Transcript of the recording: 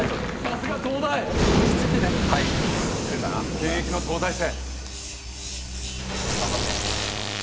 現役の東大生。